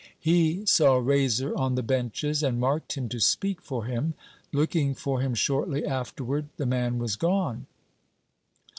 He saw Raiser on the benches, and marked him to speak for him. Looking for him shortly afterward, the man was gone.